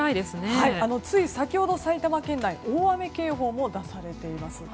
つい先ほど、埼玉県内に大雨警報も出されています。